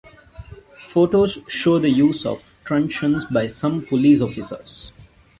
Photos show the use of truncheons by some police officers.